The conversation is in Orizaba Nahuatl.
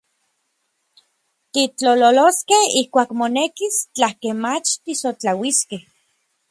Titlololoskej ijkuak monekis, tlakej mach tisotlauiskej.